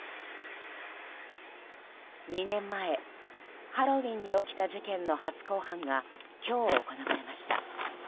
２年前、ハロウィーンに起きた事件の初公判が今日、行われました。